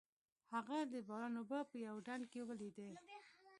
هغه د باران اوبه په یوه ډنډ کې ولیدې.